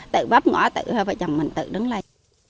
tự bắp ngõ tự hơ vợ chồng mình tự đứng lên